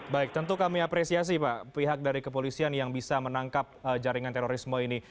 baik tentu kami apresiasi pak pihak dari kepolisian yang bisa menangkap jaringan terorisme ini